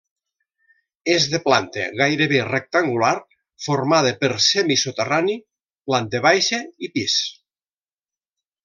És de planta gairebé rectangular, formada per semisoterrani, planta baixa i pis.